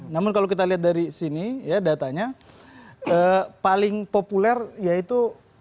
namun kalau kita lihat dari sini ya datanya paling populer yaitu